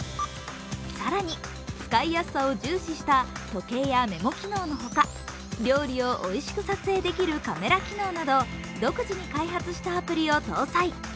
更に、使いやすさを重視した時計やメモ機能のほか料理をおいしく撮影できるカメラ機能など、独自に開発したアプリを搭載。